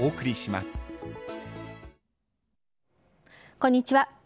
こんにちは。